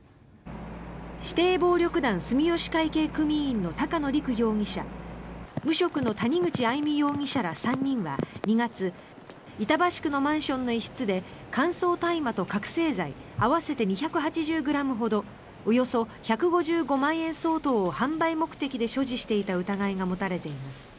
指定暴力団住吉会系組員の高野陸容疑者無職の谷口愛美容疑者ら３人は２月板橋区のマンションの一室で乾燥大麻と覚醒剤合わせて２８０ｇほどおよそ１５５万円相当を販売目的で所持していた疑いが持たれています。